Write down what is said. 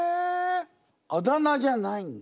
あだ名じゃないんだ。